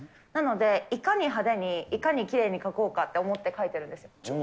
なので、いかに派手にいかにきれいに書こうかと思って書いてるんです。